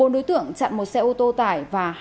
bốn đối tượng chặn một xe ô tô tải và